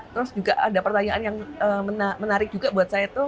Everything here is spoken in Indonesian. terus juga ada pertanyaan yang menarik juga buat saya tuh